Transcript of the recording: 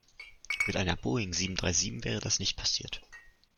Mit einer Boeing sieben-drei-sieben wäre das nicht passiert.